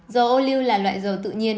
dầu ô lưu là loại dầu tự nhiên